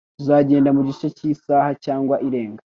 Tuzagenda mugice cyisaha cyangwa irenga.